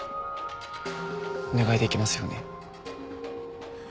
お願いできますよね？